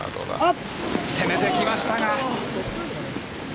攻めてきましたが。